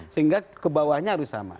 sehingga kebawahnya harus sama